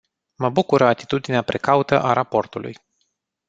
Mă bucură atitudinea precaută a raportului.